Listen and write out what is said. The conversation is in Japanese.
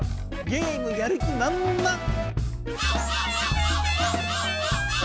ゲームやる気まんまん！